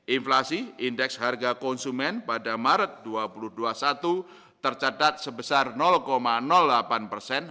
inflasi indeks harga konsumen pada maret dua ribu dua puluh satu tercatat sebesar delapan persen